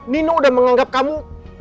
nino udah menganggap kamu